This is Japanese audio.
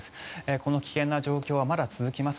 この危険な状況はまだ続きます。